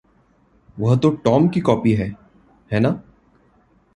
वह तो टॉम की टोपी है, है ना?